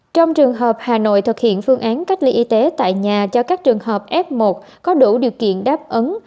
trong trường hợp hà nội thực hiện phương án cách ly y tế tại nhà cho các trường hợp f một có đủ điều kiện đáp ứng